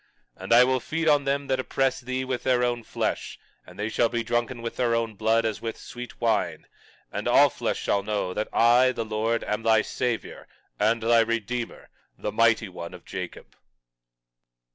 21:26 And I will feed them that oppress thee with their own flesh; they shall be drunken with their own blood as with sweet wine; and all flesh shall know that I, the Lord, am thy Savior and thy Redeemer, the Mighty One of Jacob.